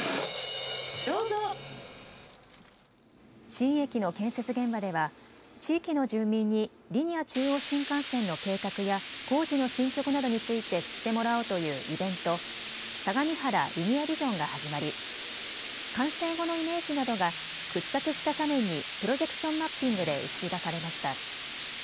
新駅の建設現場では地域の住民にリニア中央新幹線の計画や工事の進捗などについて知ってもらおうというイベント、さがみはらリニアビジョンが始まり、完成後のイメージなどが掘削した斜面にプロジェクションマッピングで映し出されました。